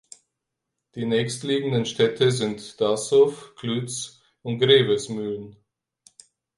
Die nächstliegenden Städte sind Dassow, Klütz und Grevesmühlen.